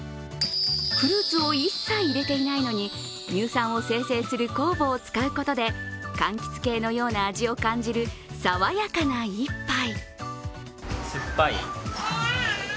フルーツを一切入れていないのに乳酸を生成する酵母を使うことでかんきつ系のような味を感じる爽やかな一杯。